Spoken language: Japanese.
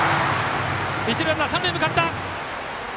一塁ランナー、三塁へ向かった。